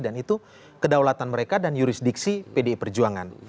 dan itu kedaulatan mereka dan jurisdiksi pdi perjuangan